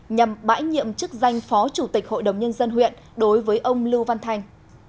nhằm bãi nhiệm chức danh phó chủ tịch hội đồng nhân dân huyện đối với ông lưu văn thanh